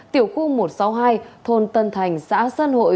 tiểu khu một trăm sáu mươi hai thôn tân thành xã sơn hội